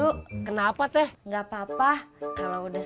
udah there be si tak ada kurang